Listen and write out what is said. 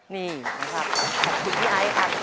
นี่ขอบคุณครับคุณพี่ไอ้ครับ